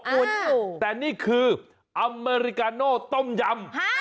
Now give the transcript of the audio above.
คุณแต่นี่คืออเมริกาโน่ต้มยำ